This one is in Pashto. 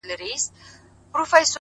له شپږو مياشتو څه درد ،درد يمه زه،